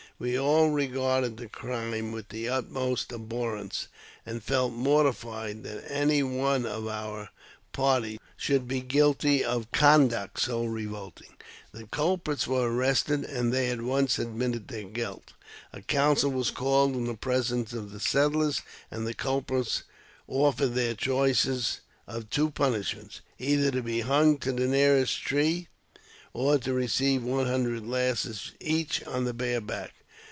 We all regarded the crime with the utmost abhorrence, and felt mortified that any one of our party should be guilty of conduct so revolting. The culprits were arrested, and they at once admitted their guilt. A coun cil was called in the presence of the settlers, and the culprits offered their choice of two punishments : either to be hung to the nearest tree, or to receive one hundred lashes each on the bare back.